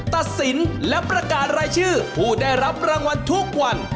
ตัดสินและประกาศรายชื่อผู้ได้รับรางวัลทุกวัน